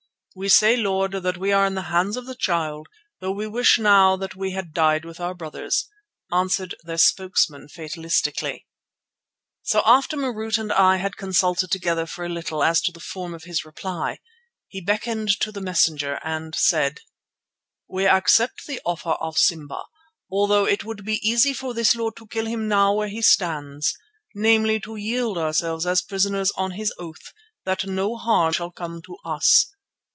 "We say, Lord, that we are in the hands of the Child, though we wish now that we had died with our brothers," answered their spokesman fatalistically. So after Marût and I had consulted together for a little as to the form of his reply, he beckoned to the messenger and said: "We accept the offer of Simba, although it would be easy for this lord to kill him now where he stands, namely, to yield ourselves as prisoners on his oath that no harm shall come to us.